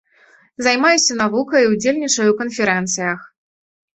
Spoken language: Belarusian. Займаюся навукай, удзельнічаю ў канферэнцыях.